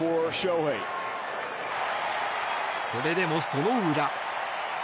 それでも、その裏。